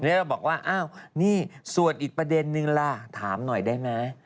อันนี้เราบอกว่านี่ส่วนอีกประเด็นนึงล่ะถามหน่อยได้ไหม